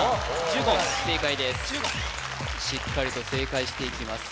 ジュゴンしっかりと正解していきます